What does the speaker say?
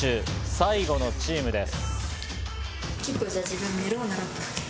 最後のチームです。